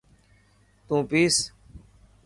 تون پيس.